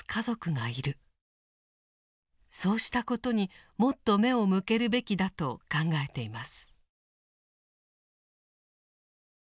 そうしたことにもっと目を向けるべきだと考えています。